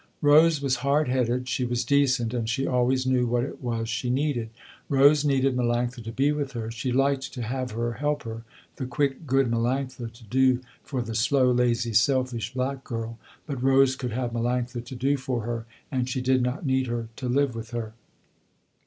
Rose was hard headed, she was decent, and she always knew what it was she needed. Rose needed Melanctha to be with her, she liked to have her help her, the quick, good Melanctha to do for the slow, lazy, selfish, black girl, but Rose could have Melanctha to do for her and she did not need her to live with her.